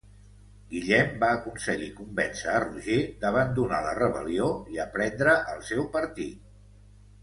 Guillem va aconseguir convèncer a Roger d'abandonar la rebel·lió i a prendre el seu partit.